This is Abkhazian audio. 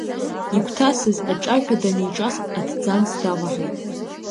Игәҭасыз аҿаҩҳәа даниҿас, аҭӡамц даваҳаит.